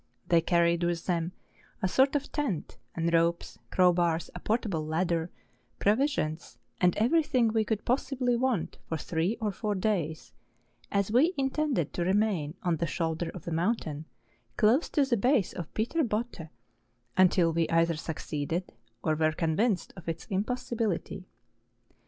They carried with them a sort of tent, and ropes, crow bars, a portable ladder, provisions, and everything we could possibly want for three or four days, as we intended to remain on the shoulder of the mountain, close to the base of Peter Botte, until we either succeeded, or were con¬ vinced of its impossibility.